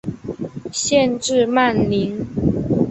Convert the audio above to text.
县治曼宁。